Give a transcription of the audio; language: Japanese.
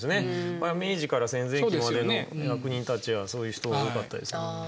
それは明治から戦前期までの役人たちはそういう人が多かったですよね。